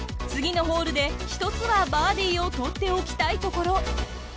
次のホールで１つはバーディをとっておきたいところ。